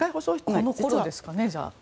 この部分ですかね。